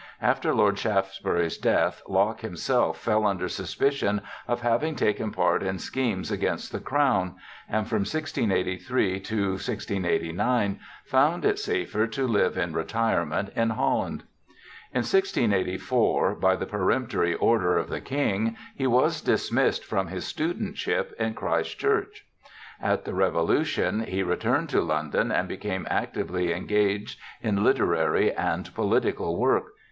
After Lord Shaftesbury's death Locke himself fell under suspicion of having taken part in schemes against the Crown, and from 1683 to 1689 found it safer to live in retirement in Holland. In 1684, by the peremptory order of the king, he was dismissed from his studentship in Christ Church. At the Revolution he returned to London and became actively engaged in literary and political work.